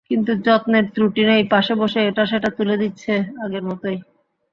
কিন্তু যত্নের ত্রুটি নেই, পাশে বসে এটা-সেটা তুলে দিচ্ছে আগের মতোই।